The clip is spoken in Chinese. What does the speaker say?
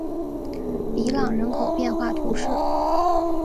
比朗人口变化图示